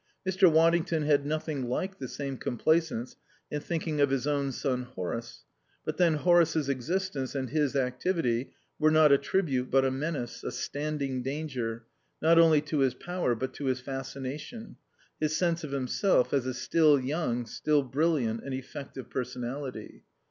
Mr. Waddington had nothing like the same complacence in thinking of his own son Horace; but then Horace's existence and his activity were not a tribute but a menace, a standing danger, not only to his power but to his fascination, his sense of himself as a still young, still brilliant and effective personality.